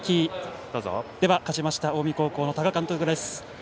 勝ちました近江高校の多賀監督です。